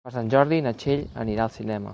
Per Sant Jordi na Txell anirà al cinema.